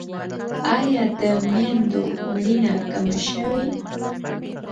آیا د میندو مړینه کمه شوې؟